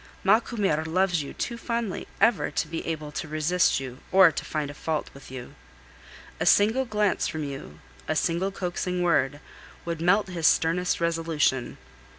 Macumer loves you too fondly ever to be able either to resist you or find fault with you. A single glance from you, a single coaxing word, would melt his sternest resolution.